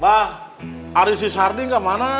mbah ari si sardi gak mana